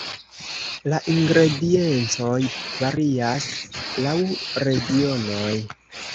La ingrediencoj varias laŭ regionoj.